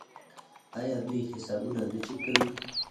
آیا دوی حسابونه نه چک کوي؟